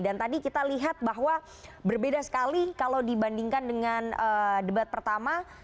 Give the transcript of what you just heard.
dan tadi kita lihat bahwa berbeda sekali kalau dibandingkan dengan debat pertama